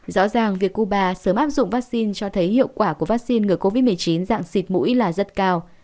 rõ ràng việc cuba sớm áp dụng vaccine cho thấy hiệu quả của vaccine ngừa covid một mươi chín dạng xịt mũi là rất cao